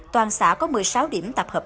toàn xã có một mươi sáu điểm tập hợp